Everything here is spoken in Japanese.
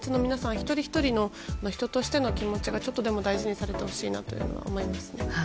一人ひとりの人としての気持ちがちょっとでも大事にされてほしいなと思います。